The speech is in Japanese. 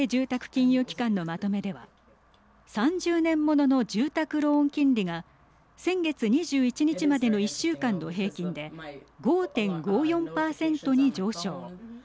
金融機関のまとめでは３０年ものの住宅ローン金利が先月２１日までの１週間の平均で５．５４％に上昇。